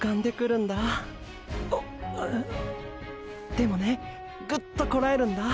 でもねぐっとこらえるんだ。